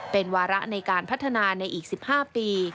เป็นวาระในการพัฒนาในอีก๑๕ปี